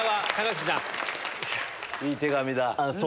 いい手紙だ。